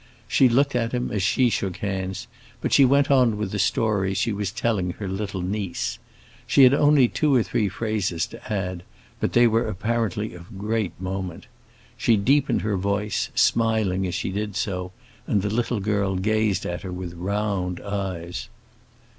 She looked at him as she shook hands, but she went on with the story she was telling her little niece. She had only two or three phrases to add, but they were apparently of great moment. She deepened her voice, smiling as she did so, and the little girl gazed at her with round eyes.